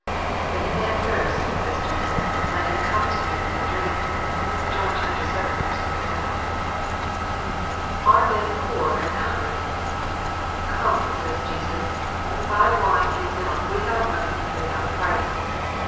" If any man thirst," says Jesus, *^ let him come unto me and drink." (John vii. 37.) — Are men poor and hungry ? "Come," says Jesus, "buy wine and milk without money and without price."